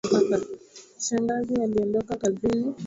Shangazi aliondoka kazini